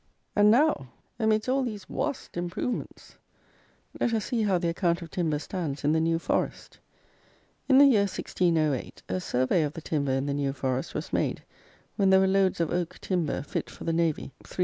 And now, amidst all these "waust improvements," let us see how the account of timber stands in the New Forest! In the year 1608, a survey of the timber, in the New Forest, was made, when there were loads of oak timber fit for the navy, 315,477.